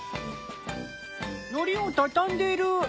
のりをたたんでる。